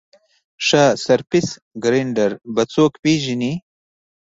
ښه سرفېس ګرېنډر به څوک پېژني ؟